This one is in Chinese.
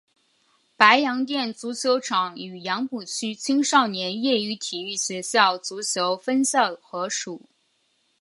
白洋淀足球场与杨浦区青少年业余体育学校足球分校合署。